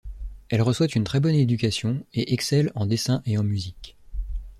Elle reçoit une très bonne éducation et excelle en dessin et en musique.